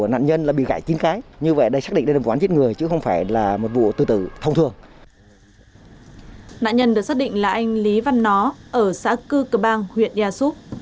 nạn nhân được xác định là anh lý văn nó ở xã cư cơ bang huyện e soup